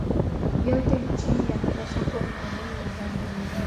yote nchini yanapaswa kuwa mikononi mwa raia